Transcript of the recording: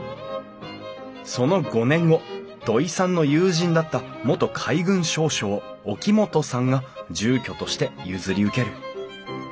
その５年後土井さんの友人だった元海軍少将沖本さんが住居として譲り受ける。